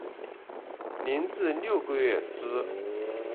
零至六个月之